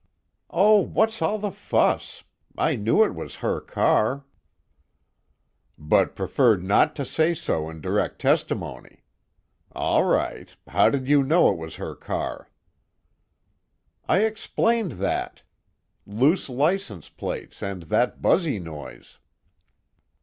"Oh, what's all the fuss? I knew it was her car." "But preferred not to say so in direct testimony. All right how did you know it was her car?" "I explained that. Loose license plate, and that buzzy noise."